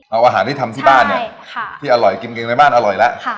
เอาอาหารที่ทำที่บ้านเนี่ยที่อร่อยกินเกงในบ้านอร่อยแล้ว